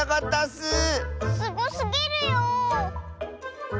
すごすぎるよ。